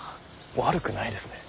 悪くないですね。